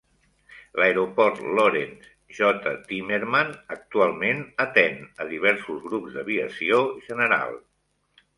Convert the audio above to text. L'aeroport Lawrence J. Timmerman actualment atén a diversos grups d'aviació general.